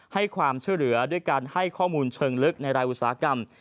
ให้ความช่วยเหลือด้วยการให้ข้อมูลเชิงลึกในรายอุตสาหกรรม